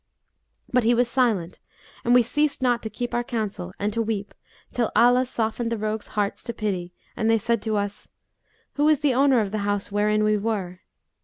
But he was silent and we ceased not to keep our counsel and to weep, till Allah softened the rogues' hearts to pity and they said to us, 'Who is the owner of the house wherein we were?'